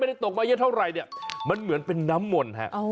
ไม่ได้ตกมาเยอะเท่าไรเนี่ยมันเหมือนเป็นน้ำมนต์แหละ